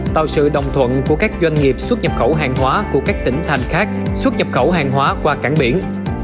tạo sự đồng thuận của các doanh nghiệp xuất nhập khẩu hàng hóa của các tỉnh thành khác xuất nhập khẩu hàng hóa qua cảng biển